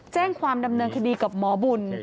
แจ้งความดำเนินคดีกับหมอบุญ